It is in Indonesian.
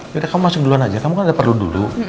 yaudah kamu masuk duluan aja kamu kan ada perlu dulu